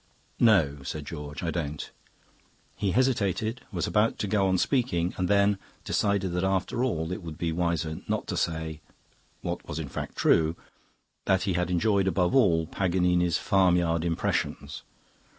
'No,' said George, 'I don't.' He hesitated, was about to go on speaking, and then decided that after all it would be wiser not to say what was in fact true that he had enjoyed above all Paganini's Farmyard Imitations.